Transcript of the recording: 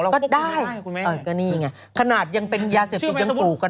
ก็ได้ก็นี่ไงขนาดยังเป็นยาเสพติดยังปลูกกัน